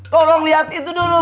tolong lihat itu dulu